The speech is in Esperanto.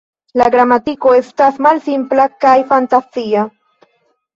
La gramatiko estas malsimpla kaj fantazia.